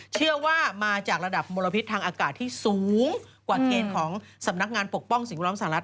เชื่อว่ามาจากระดับมลพิษทางอากาศที่สูงกว่าเกณฑ์ของสำนักงานปกป้องสิ่งแวดล้อมสหรัฐ